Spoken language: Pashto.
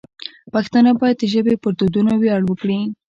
پښتانه باید د ژبې پر دودونو ویاړ وکړي.